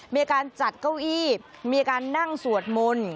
มีการจัดเก้าอี้มีการนั่งสวดมนต์